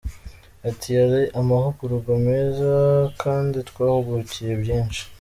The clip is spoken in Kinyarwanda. Ati “ Yari amahugurwa meza kandi twahungukiye byinshi.